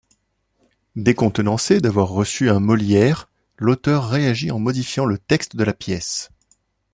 Décontenancé d'avoir reçu un Molière, l'auteur réagit en modifiant le texte de la pièce.